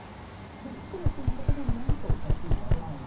ふっくらという言い方もなんかおかしい合わないなっていう。